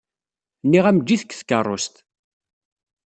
Nniɣ-am eǧǧ-it deg tkeṛṛust.